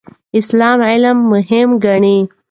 اسلام علم مهم ګڼي.